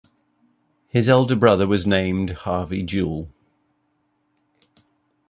His elder brother was named Harvey Jewell.